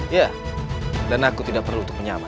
iya dan aku tidak perlu untuk menyamar